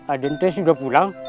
ada yang sudah pulang